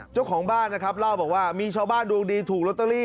เจ้าของบ้านนะครับเล่าบอกว่ามีชาวบ้านดวงดีถูกลอตเตอรี่